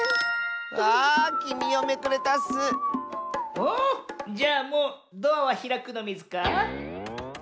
おじゃあもうドアはひらくのミズか？